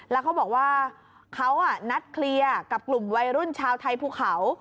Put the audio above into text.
แล้วเขาบอกว่าเขานัดเคลียร์กับกลุ่มวัยรุ่นชาวไทยภูเขา